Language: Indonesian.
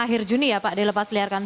akhir juni ya pak dilepas liarkan